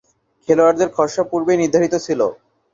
খেলোয়াড়দের খসড়া পূর্বেই নির্ধারিত ছিল।